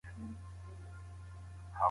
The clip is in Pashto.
آیا تاسو پوهېږئ چې مسمومیت څنګه مخنیوی کیږي؟